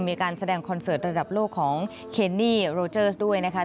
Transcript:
มีการแสดงคอนเสิร์ตระดับโลกของเคนนี่โรเจอร์สด้วยนะคะ